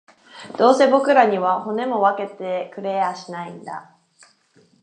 どうせ僕らには、骨も分けてくれやしないんだ